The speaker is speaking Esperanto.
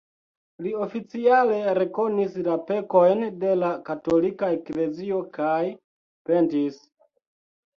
Li oficiale rekonis la pekojn de la Katolika Eklezio kaj pentis.